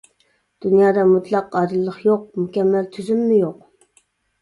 دۇنيادا مۇتلەق ئادىللىق يوق، مۇكەممەل تۈزۈممۇ يوق.